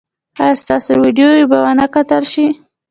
ایا ستاسو ویډیو به و نه کتل شي؟